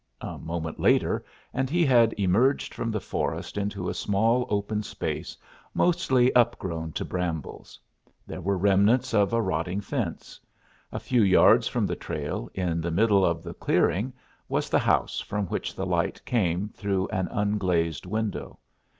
A moment later he had emerged from the forest into a small, open space, mostly upgrown to brambles. There were remnants of a rotting fence. A few yards from the trail, in the middle of the "clearing," was the house from which the light came, through an unglazed window.